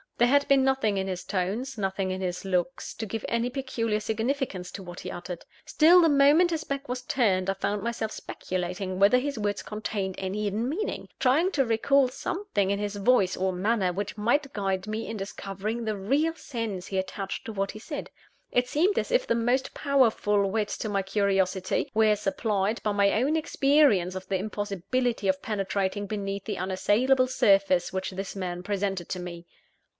There had been nothing in his tones, nothing in his looks, to give any peculiar significance to what he uttered. Still, the moment his back was turned, I found myself speculating whether his words contained any hidden meaning; trying to recall something in his voice or manner which might guide me in discovering the real sense he attached to what he said. It seemed as if the most powerful whet to my curiosity, were supplied by my own experience of the impossibility of penetrating beneath the unassailable surface which this man presented to me.